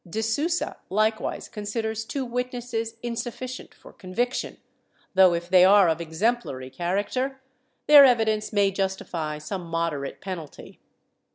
De Sousa likewise considers two witnesses insufficient for conviction, though, if they are of exemplary charac ter, their evidence may justify some moderate penalty.